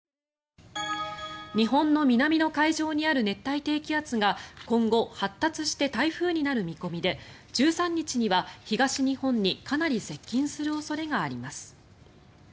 日本の南の海上にある熱帯低気圧が今後、発達して台風になる見込みで１３日には東日本にかなり接近する恐れがあります。